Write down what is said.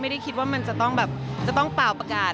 ไม่ได้คิดว่ามันจะต้องแบบจะต้องเปล่าประกาศ